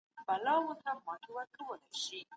د انسان عزت د ټولني ارزښت دی.